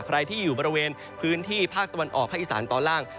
ใครที่อยู่บริเวณพื้นที่ภาคตะวันออกภาคอีสานตอนล่าง